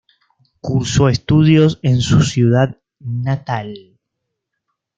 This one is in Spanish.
Cursó estudios en su ciudad natal.